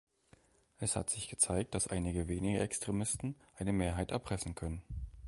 Es hat sich gezeigt, dass einige wenige Extremisten eine Mehrheit erpressen können.